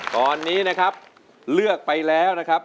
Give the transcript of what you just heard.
ตอนนี้นะครับเลือกไปแล้วนะครับ